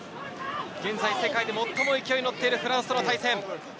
現在世界で最も勢いに乗っているフランスとの対戦。